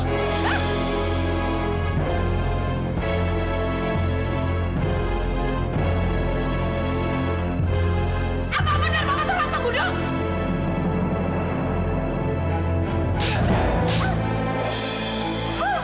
apa benar begitu